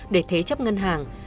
để thế chấp ngân hàng